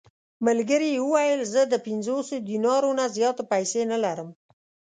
ملګري یې وویل: زه د پنځوسو دینارو نه زیاتې پېسې نه لرم.